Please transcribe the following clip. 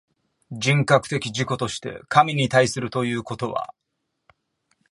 人格的自己として神に対するということは、